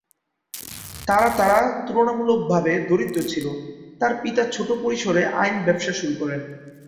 তারা তারা তুলনামূলকভাবে দরিদ্র ছিল; তার পিতা ছোট পরিসরে আইন ব্যবসা শুরু করেন।